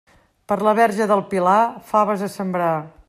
Per la Verge del Pilar, faves a sembrar.